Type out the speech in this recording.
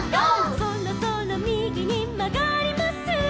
「そろそろみぎにまがります」